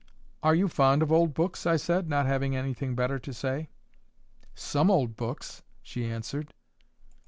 "Are you fond of old books?" I said, not having anything better to say. "Some old books," she answered.